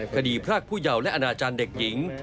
พรากผู้เยาว์และอนาจารย์เด็กหญิง